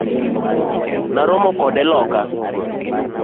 Naromo kode loka.